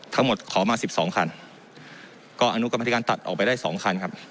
ทั้งหมดขอมาสิบสองคันก็อนุกรรมพยาบาลการตัดออกไปได้สองคันครับ